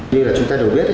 như là chúng ta đều biết